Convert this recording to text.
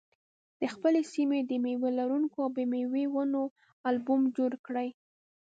د خپلې سیمې د مېوه لرونکو او بې مېوې ونو البوم جوړ کړئ.